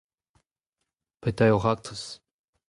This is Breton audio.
Petra eo ho raktres ?